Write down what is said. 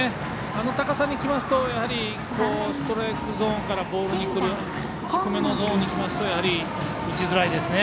あの高さにきますとストライクゾーンからボールに来る低めのゾーンに来ますとやはり打ちづらいですね。